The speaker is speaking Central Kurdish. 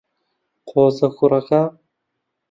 قۆزە کوڕەکە.